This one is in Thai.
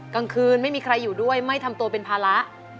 กลางคืนไม่มีใครอยู่ด้วยไม่ทำตัวเป็นภาระ